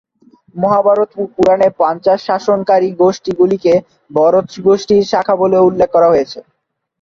মহাভারত ও পুরাণে পাঞ্চাল শাসনকারী গোষ্ঠী গুলিকে ভরত গোষ্ঠীর শাখা বলেও উল্লেখ করা হয়েছে।